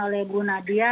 oleh bu nadia